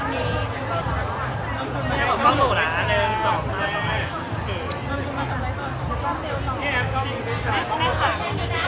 แพะบอกกองโหลนะหนึ่งสองสามสองสาม